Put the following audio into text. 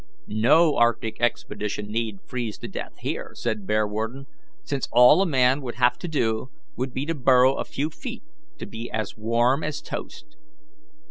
"No arctic expedition need freeze to death here," said Bearwarden, "since all a man would have to do would be to burrow a few feet to be as warm as toast."